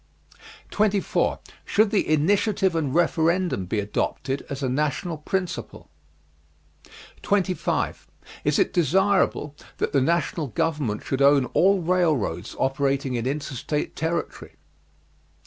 24. Should the Initiative and Referendum be adopted as a national principle? 25. Is it desirable that the national government should own all railroads operating in interstate territory?